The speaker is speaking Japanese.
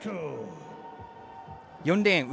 ４レーン